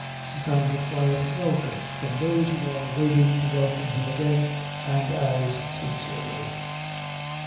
He found a quiet welcome from those who are waiting to welcome him again and as sincerely.